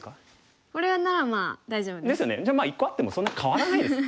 じゃあまあ１個あってもそんなに変わらないです。